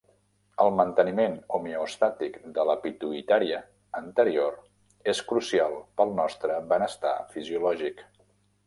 El manteniment homeostàtic de la pituïtària anterior es crucial pel nostre benestar fisiològic.